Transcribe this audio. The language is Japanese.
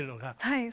はい。